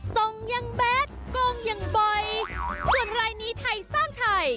ส่งยังแบดโกงอย่างบ่อยส่วนรายนี้ไทยสร้างไทย